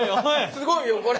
すごいよこれ！